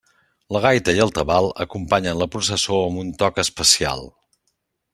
La gaita i el tabal acompanyen la processó amb un toc especial.